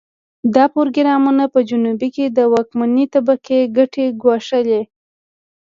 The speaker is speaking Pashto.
دا پروګرامونه په جنوب کې د واکمنې طبقې ګټې ګواښلې.